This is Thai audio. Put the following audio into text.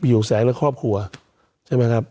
อยู่แสงและครอบครัวใช่ไหมครับ